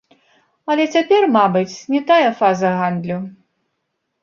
Але цяпер, мабыць, не тая фаза гандлю.